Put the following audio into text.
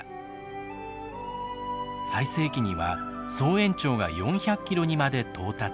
最盛期には総延長が４００キロにまで到達。